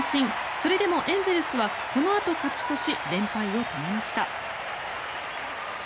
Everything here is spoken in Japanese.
それでもエンゼルスはこのあと勝ち越し連敗を止めました。